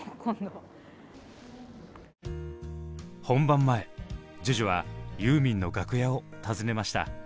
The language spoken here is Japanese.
本番前ＪＵＪＵはユーミンの楽屋を訪ねました。